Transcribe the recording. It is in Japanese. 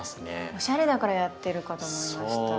おしゃれだからやってるかと思いました。